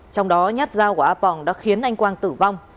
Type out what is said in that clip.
trong đó nhắt dao của a pong đã khiến anh quang tử vong